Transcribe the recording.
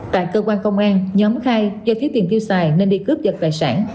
tại cơ quan công an nhóm khai do thiết tiền thiêu xài nên đi cướp giật tài sản